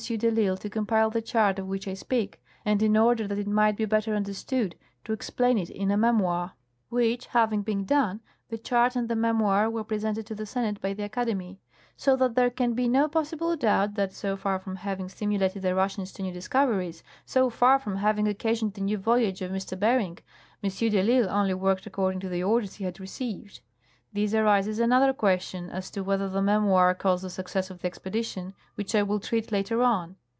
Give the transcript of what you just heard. de I'Isle to compile the chart of which I speak, and in order that it might be better understood, to explain it in a memoir ; Avhich having been done, the chart and the memoir were presented to the Senate by the Academy ; so that there can be no possible doubt that, so far from having stimulated the Russians to new discoveries, so far from having occasioned the new voyage of M. Bering, M. de I'Isle only worked accordina; to the orders he had received. There arises another question, as to whether the memoir caused the success of the expedition, which I will treat later on.